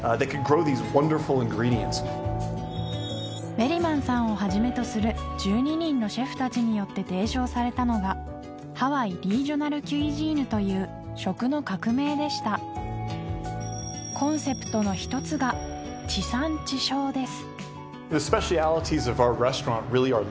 メリマンさんをはじめとする１２人のシェフ達によって提唱されたのがハワイ・リージョナル・キュイジーヌという食の革命でしたコンセプトの一つが地産地消です